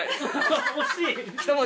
惜しい！